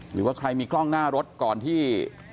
หรือว่าใครมีกล้องหน้ารถก่อนที่